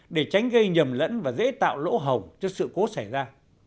để tránh gây nhầm lẫn và dễ tạo lỗ hổng cho sự cố xảy ra